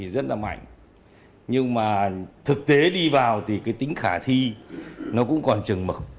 rất là mạnh nhưng mà thực tế đi vào thì cái tính khả thi nó cũng còn trừng mực